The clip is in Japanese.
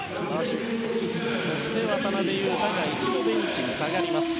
渡邊雄太が一度ベンチに下がります。